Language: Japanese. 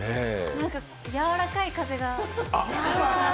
なんか、やわらかい風が。